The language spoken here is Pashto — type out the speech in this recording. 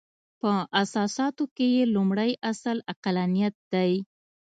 په اساساتو کې یې لومړۍ اصل عقلانیت دی.